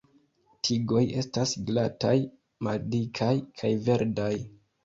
Tigoj estas glataj, maldikaj kaj verdaj.